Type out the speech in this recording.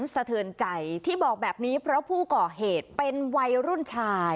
สะเทินใจที่บอกแบบนี้เพราะผู้ก่อเหตุเป็นวัยรุ่นชาย